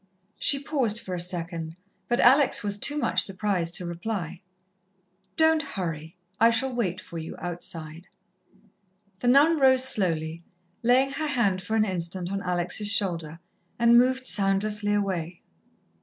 She paused for a second, but Alex was too much surprised to reply. "Don't hurry. I shall wait for you outside." The nun rose slowly, laying her hand for an instant on Alex' shoulder, and moved soundlessly away.